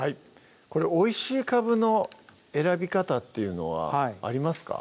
これおいしいかぶの選び方っていうのはありますか？